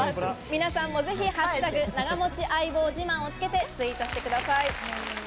皆さんもぜひ「＃長持ち相棒自慢」を付けてツイートしてください。